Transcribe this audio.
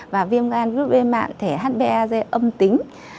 và viêm gan virus b mạng thể hbe ag âm tính